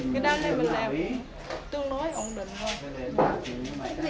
cái đơn này mình làm tương đối ổn định